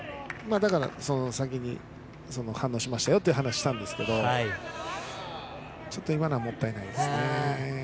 だから先に反応しましたよという話をしたんですけれどちょっと今のはもったいないですね